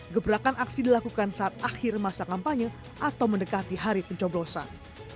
gebrakan aksi dilakukan saat akhir masa kampanye atau mendekati hari pencoblosan